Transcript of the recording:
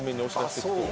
お願いします